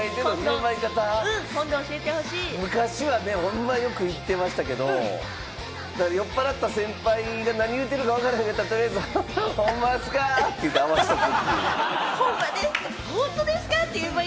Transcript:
昔はね、ほんまよく言ってましたけれども、酔っ払った先輩が何言うてるかわからへんかったら、取りあえず「ほんまですか！」って言って合わせとく。